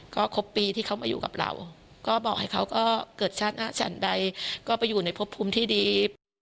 ก็ครบปีที่เขามาอยู่กับเราก็บอกให้เขาก็เกิดชาติหน้าฉันใดก็ไปอยู่ในพบภูมิที่ดี